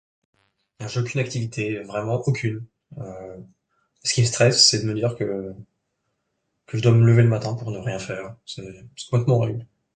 ce qui me stresse c'est me lever le main